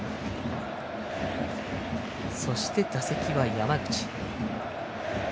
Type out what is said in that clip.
そして、打席は山口。